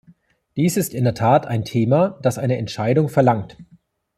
Dies ist in der Tat ein Thema, das eine Entscheidung verlangt.